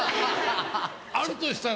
あるとしたら。